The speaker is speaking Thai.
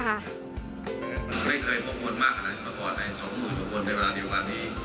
ไม่เคยพบวนมากมาก่อนสองหลุดพบวนในเวลาเดียวกันดี